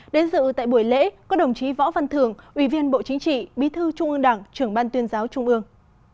đến dự tại buổi lễ có đồng chí võ văn thường ủy viên bộ chính trị bí thư trung ương đảng trưởng ban tuyên giáo trung ương